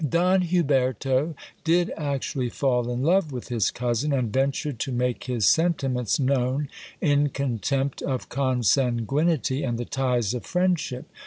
Don Huberto did actually fall in love with his cousin, and ventured to make ^is sentiments known, in contempt of consanguinity and the ties of friendship.